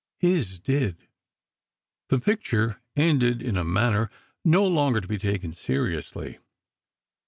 His did. The picture ended in a manner no longer to be taken seriously.